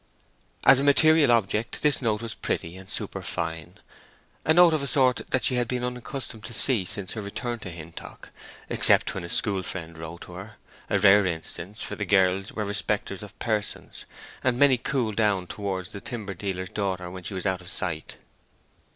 As a material object this note was pretty and superfine, a note of a sort that she had been unaccustomed to see since her return to Hintock, except when a school friend wrote to her—a rare instance, for the girls were respecters of persons, and many cooled down towards the timber dealer's daughter when she was out of sight.